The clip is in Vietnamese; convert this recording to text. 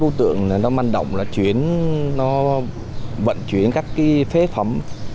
đối tượng này nó manh động là chuyển nó vận chuyển các cái phế phẩm